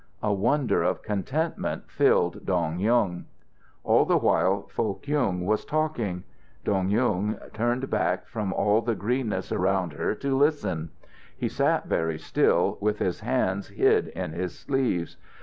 A wonder of contentment filled Dong Yung. All the while Foh Kyung was talking. Dong Yung turned back from all the greenness around her to listen. He sat very still, with his hands hid in his sleeves.